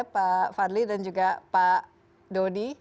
pak fadli dan juga pak dodi